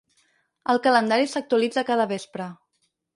El calendari s’actualitza cada vespre.